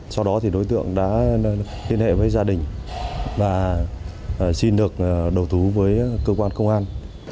sau đó thì đối tượng đã liên hệ với gia đình và xin được đầu thú với cơ quan công an